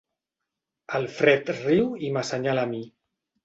El Fred riu i m'assenyala a mi.